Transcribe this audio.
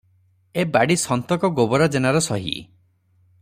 ଏ ବାଡ଼ି ସନ୍ତକ ଗୋବରା ଜେନାର ସହି ।